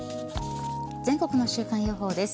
全国の週間予報です。